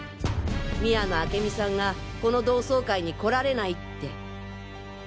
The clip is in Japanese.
宮野明美さんがこの同窓会に来られないって。